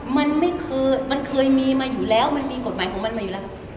มันไม่เคยมันเคยมีมาอยู่แล้วมันมีกฎหมายของมันมาอยู่แล้ว